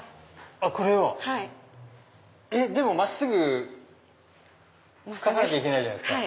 これを⁉でも真っすぐ描かなきゃいけないじゃないですか。